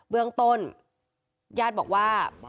เบื้องต้นญาติบอกว่า